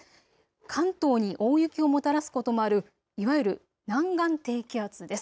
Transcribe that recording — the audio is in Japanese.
関東に大雪をもたらすこともあるいわゆる南岸低気圧です。